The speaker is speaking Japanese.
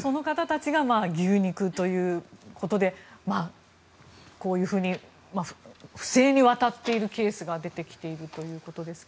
その方たちが牛肉ということでこういうふうに不正に渡っているケースが出てきているということですが。